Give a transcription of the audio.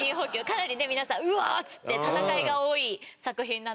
かなりね皆さん「ウオー！」って戦いが多い作品なので。